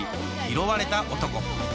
「拾われた男」。